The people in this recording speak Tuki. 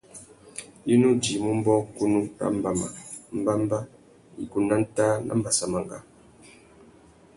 I nu djïmú mbōkunú râ mbama, mbămbá, igúh nà ntāh na mbassamangá.